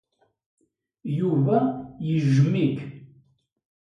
Yuba yejjem-ik.